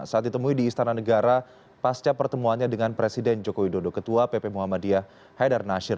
saat ditemui di istana negara pasca pertemuannya dengan presiden joko widodo ketua pp muhammadiyah haidar nasir